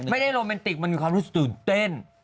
โรแมนติกมันมีความรู้สึกตื่นเต้น